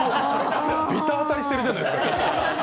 ビタ当たりしてるじゃないですか。